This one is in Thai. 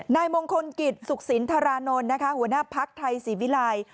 นายมงคลกิจสุขสินธารานนท์นะคะหัวหน้าภักดิ์ไทยศรีวิลัย